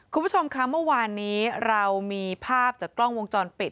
คุณผู้ชมคะเมื่อวานนี้เรามีภาพจากกล้องวงจรปิด